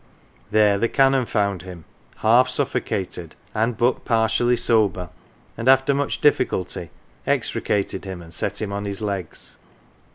There the Canon found him, half suffocated and but partially sober, and after much difficulty extricated him and set him on his legs.